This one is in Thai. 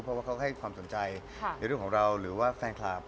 เพราะว่าเขาให้ความสนใจในเรื่องของเราหรือว่าแฟนคลับ